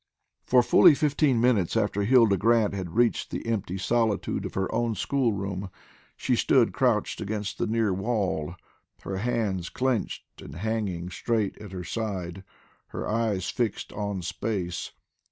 For fully fifteen minutes after Hilda Grant had reached the empty solitude of her own school room she stood crouched against the near wall, her hands clenched and hanging straight at her side, her eyes fixed on space.